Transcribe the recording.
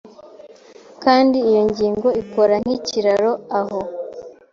Kandi iyo ngingo ikora nk'ikiraro aho